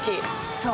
そう。